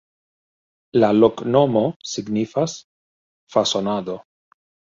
La loknomo signifas: fasonado.